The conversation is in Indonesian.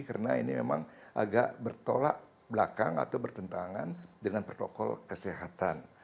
karena ini memang agak bertolak belakang atau bertentangan dengan protokol kesehatan